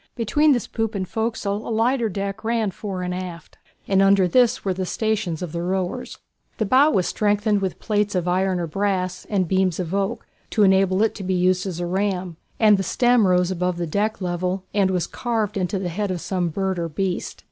Between this poop and forecastle a lighter deck ran fore and aft, and under this were the stations of the rowers. The bow was strengthened with plates of iron or brass, and beams of oak, to enable it to be used as a ram, and the stem rose above the deck level and was carved into the head of some bird or beast.